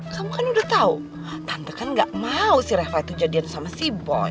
kamu kan udah tahu tante kan gak mau si reva itu jadian sama si boi